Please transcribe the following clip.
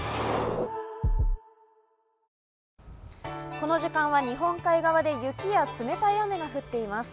この時間は日本海側で雪や冷たい雨が降っています。